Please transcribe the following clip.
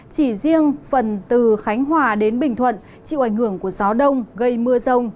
chỉ riêng phần từ khánh hòa đến bình thuận chịu ảnh hưởng của gió đông gây mưa rông